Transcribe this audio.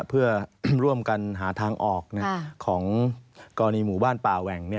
เพื่อร่วมกันหาทางออกของกรณีหมู่บ้านป่าแหว่ง